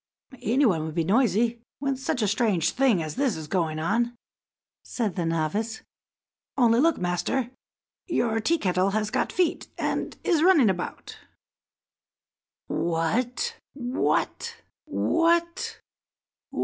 "Any one would be noisy when such a strange thing as this is going on," said the novice. "Only look, master, your Tea kettle has got feet, and is running about." "What! what!